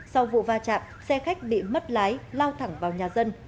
sau vụ va chạm xe khách bị mất lái lao thẳng vào nhà dân